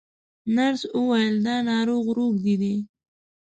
نرس وویل دا ناروغ روږدی دی.